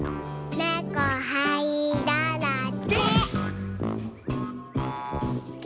ねこはいだらけ。